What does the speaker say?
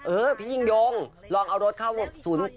เออพี่ยิ่งยงลองเอารถเข้า๐๘